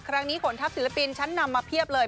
ครั้งนี้ขนทัพศิลปินชั้นนำมาเพียบเลย